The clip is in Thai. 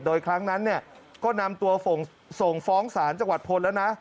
โดยครั้งนั้นเนี่ยก็นำตัวส่งฟ้องศาลจังหวัดพลแล้วนะ